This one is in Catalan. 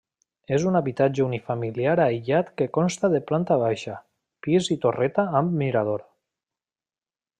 És un habitatge unifamiliar aïllat que consta de planta baixa, pis i torreta amb mirador.